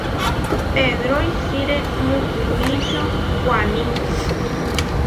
Pedro isiré mukumičio waní.